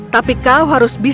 tapi kau harus bisa